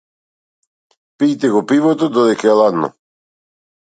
Пијте го пивото додека е ладно.